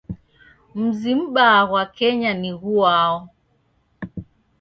Mzi m'baa ghwa Kenya ni ghuao?